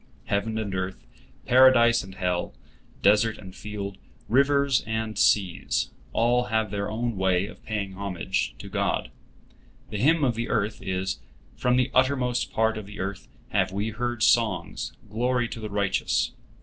Heaven and earth, Paradise and hell, desert and field, rivers and seas—all have their own way of paying homage to God. The hymn of the earth is, "From the uttermost part of the earth have we heard songs, glory to the Righteous."